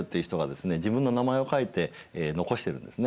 自分の名前を書いて残してるんですね。